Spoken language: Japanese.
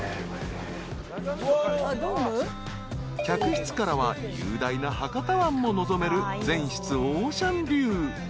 ［客室からは雄大な博多湾も望める全室オーシャンビュー］